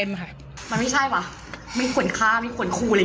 มันไม่ใช่เหรอไม่ควรฆ่าไม่ควรคู่อะไรไอ้